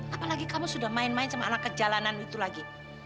apalagi kamu sudah main main sama anak kejalanan itu lagi